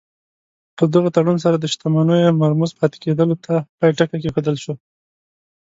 په دغه تړون سره د شتمنیو مرموز پاتې کېدلو ته پای ټکی کېښودل شو.